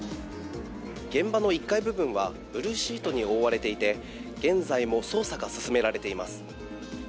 現場の１階部分はブルーシートで覆われていて現在も捜査が進められています。